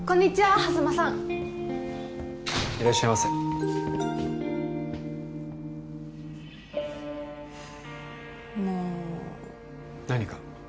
波佐間さんいらっしゃいませもう何か？